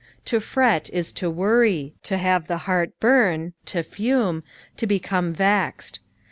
To fret is to worry, to have the heart bum, to fume, to l>eromc vexed.